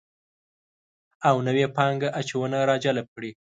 او نوې پانګه اچونه راجلب کړي